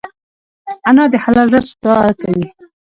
انا د حلال رزق دعا کوي